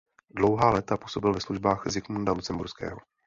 Dlouhá léta působil ve službách Zikmunda Lucemburského.